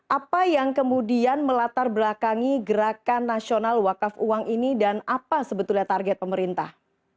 apa yang kemudian melatar belakangi gerakan nasional wakaf uang ini dan apa sebetulnya target pemerintah